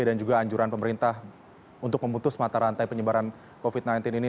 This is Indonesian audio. dan juga anjuran pemerintah untuk memutus mata rantai penyebaran covid sembilan belas ini